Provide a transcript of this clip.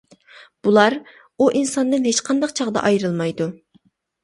بۇلار ئۇ ئىنساندىن ھېچقانداق چاغدا ئايرىلمايدۇ.